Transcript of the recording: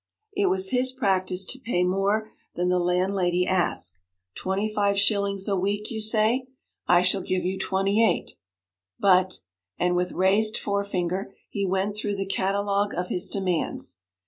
It was his practice to pay more than the landlady asked. Twenty five shillings a week, you say? I shall give you twenty eight. But ' and with raised forefinger he went through the catalogue of his demands.